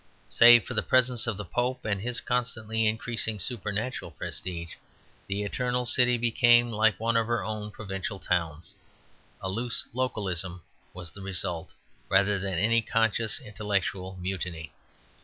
Save for the presence of the Pope and his constantly increasing supernatural prestige, the eternal city became like one of her own provincial towns. A loose localism was the result rather than any conscious intellectual mutiny.